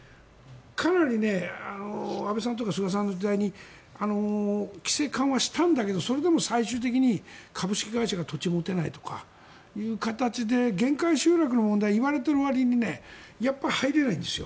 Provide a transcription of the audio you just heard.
かなり安倍さんとか菅さんの時代に規制緩和をしたんだけどそれでも最終的に株式会社が土地を持てないという形で限界集落の問題が言われているわりには入れないんです。